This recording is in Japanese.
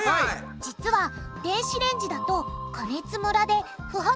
実は電子レンジだと加熱ムラで不発